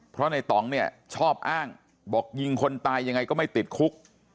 เพราะในต่องเนี่ยชอบอ้างบอกยิงคนตายยังไงก็ไม่ติดคุก